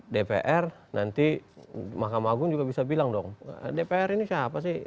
dpr nanti mahkamah agung juga bisa bilang dong dpr ini siapa sih